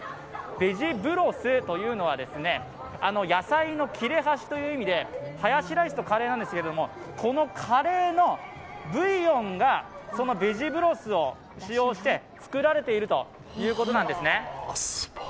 ベジブロスというのは、野菜の切れ端という意味でハヤシライスとカレーなんですけれども、このカレーのブイヨンがそのベジブロスを使用して作られているということなんですね。